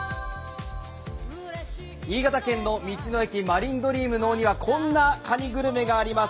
新潟県の道の駅、マリンドリーム能生にはこんなかにグルメがあります。